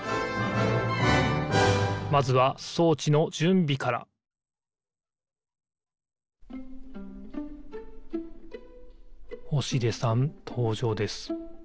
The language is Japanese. まずはそうちのじゅんびから星出さんとうじょうです。